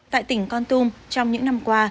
tại tỉnh con tum trong những năm qua